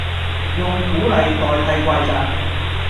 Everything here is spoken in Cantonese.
用鼓勵代替怪責